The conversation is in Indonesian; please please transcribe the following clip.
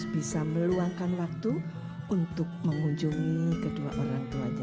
bisa meluangkan waktu untuk mengunjungi kedua orang tuanya